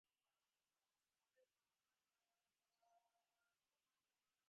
އެކަމަކު އަހަރެމެން ހޯދާނީ ކިތައް ކުދިންތަ؟ ރުކާން އެހެން އަހާލުމުން މިއުވާންއަށް ކުރީގެ ހަނދާނެއްވި